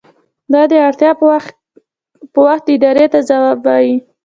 دا د اړتیا په وخت ادارې ته ځواب وايي.